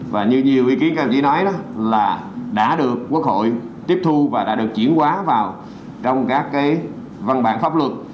và như nhiều ý kiến các em chỉ nói là đã được quốc hội tiếp thu và đã được chuyển hóa vào trong các cái văn bản pháp luật